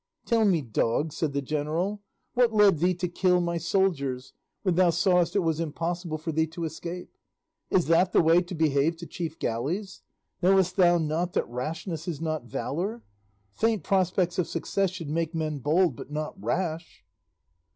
"Tell me, dog," said the general, "what led thee to kill my soldiers, when thou sawest it was impossible for thee to escape? Is that the way to behave to chief galleys? Knowest thou not that rashness is not valour? Faint prospects of success should make men bold, but not rash."